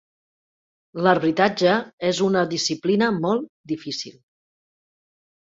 L'arbitratge és una disciplina molt difícil.